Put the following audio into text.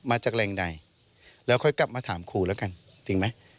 มาจากแรงใดแล้วค่อยกลับมาถามครูแล้วกันจริงไหม